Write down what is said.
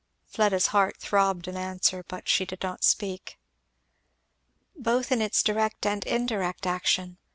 Fieda's heart throbbed an answer; she did not speak. "Both in its direct and indirect action.